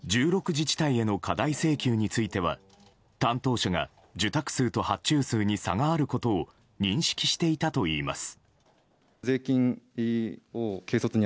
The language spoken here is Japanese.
自治体への過大請求については担当者が、受託数と発注数に差があることを認識していたといいます。